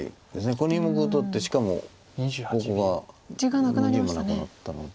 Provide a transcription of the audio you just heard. この２目取ってしかもここが逃げ場なくなったので。